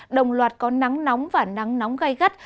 đồng loạt có nắng nóng và nắng nóng gai gắt